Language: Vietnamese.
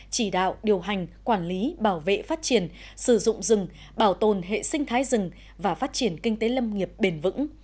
chỉ đạo điều hành quản lý bảo vệ phát triển sử dụng rừng bảo tồn hệ sinh thái rừng và phát triển kinh tế lâm nghiệp bền vững